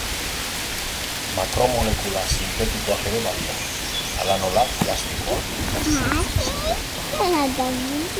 Makromolekula sintetikoak ere badira, hala nola plastikoak eta zuntz sintetikoak.